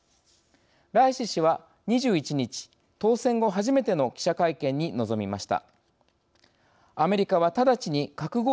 ライシ師は２１日当選後初めての記者会見に臨みました。